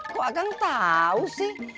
kok agak nggak tahu sih